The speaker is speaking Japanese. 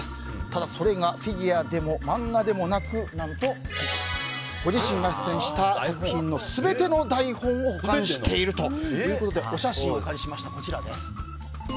ただ、それがフィギュアでも漫画でもなく、何とご自身が出演した作品の全ての台本を保管しているということでお写真をお借りしました。